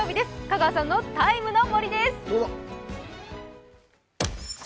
香川さんの「ＴＩＭＥ，の森」です。